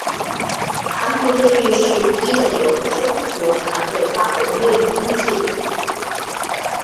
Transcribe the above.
盘古越狱是第一个由中国团队发布的越狱工具。